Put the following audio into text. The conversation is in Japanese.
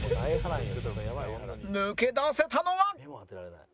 抜け出せたのは？